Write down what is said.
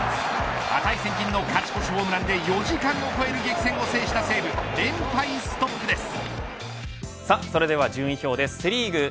値千金の勝ち越しホームランで４時間を超える激戦を制した西武連敗ストップです。